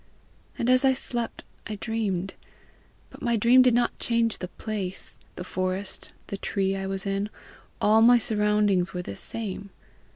And as 'I slept I dreamed; but my dream did not change the place; the forest, the tree I was in, all my surroundings were the same.